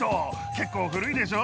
結構古いでしょ。